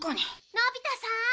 のび太さーん！